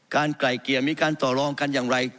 ไกลเกลี่ยมีการต่อรองกันอย่างไร